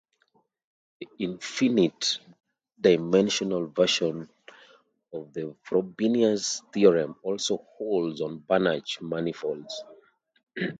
The infinite-dimensional version of the Frobenius theorem also holds on Banach manifolds.